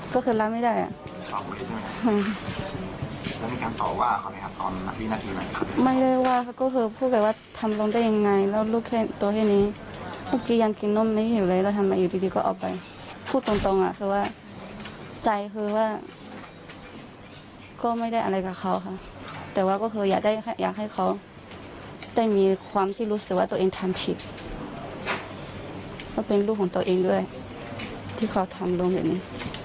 ก็คือรับไม่ได้อ่ะไม่ได้ว่าเขาก็คือพูดแบบว่าทำร้องได้ยังไงแล้วลูกแค่ตัวแบบนี้กินกินนมไม่เห็นอะไรแล้วทำมาอยู่ดีก็ออกไปพูดตรงตรงอ่ะคือว่าใจคือว่าก็ไม่ได้อะไรกับเขาค่ะแต่ว่าก็คืออยากได้อยากให้เขาได้มีความที่รู้สึกว่าตัวเองทำผิดก็เป็นลูกของตัวเองด้วยที่เขาทำลงแบบนี้